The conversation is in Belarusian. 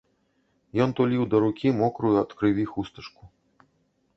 Ён туліў да рукі мокрую ад крыві хустачку.